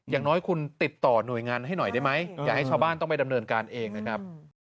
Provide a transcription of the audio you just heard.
อย่างน้อยคุณติดต่อหน่วยงานให้หน่อยได้ไหมอย่าให้ชาวบ้านต้องไปดำเนินการเองนะครับ